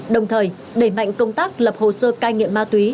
đồng thời đẩy mạnh công tác lập hồ sơ cai nghiện ma túy